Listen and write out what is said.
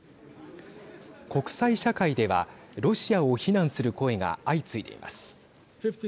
国際社会ではロシアを非難する声が相次いでいます。